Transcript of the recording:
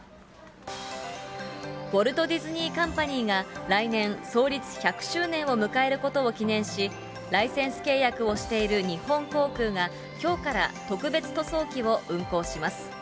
ウォルト・ディズニー・カンパニーが、来年、創立１００周年を迎えることを記念し、ライセンス契約をしている日本航空が、きょうから特別塗装機を運航します。